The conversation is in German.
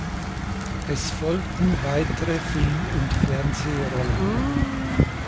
Es folgten weitere Film- und Fernsehrollen.